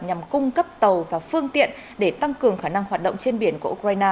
nhằm cung cấp tàu và phương tiện để tăng cường khả năng hoạt động trên biển của ukraine